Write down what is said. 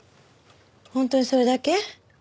本当にそれだけ？